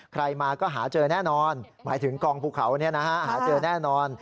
ใครมาก็หาเจอแน่นอนหมายถึงกองภูเขาหาเจอแน่นอน